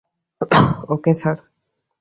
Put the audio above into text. ওকে, sir.